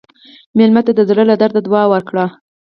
مېلمه ته د زړه له درده دعا ورکړه.